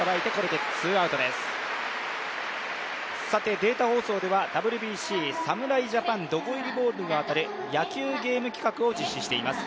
データ放送ではＷＢＣ、侍ジャパンロゴ入りボールが当たる野球ゲーム企画を実施しています。